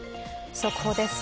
速報です。